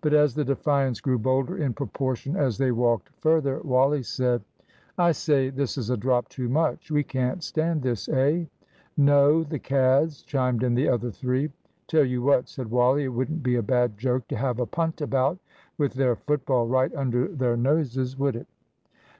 But as the defiance grew bolder in proportion as they walked further, Wally said "I say, this is a drop too much. We can't stand this, eh?" "No; the cads!" chimed in the other three. "Tell you what," said Wally, "it wouldn't be a bad joke to have a punt about with their football right under their noses, would it?"